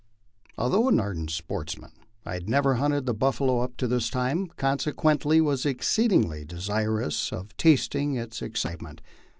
Although an ardent sportsman, I had never hunted the buffalo up to this time, consequently was exceedingly desirous of tasting of its excite ment.